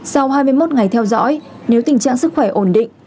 sau hai mươi một ngày theo dõi nếu tình trạng sức khỏe ổn định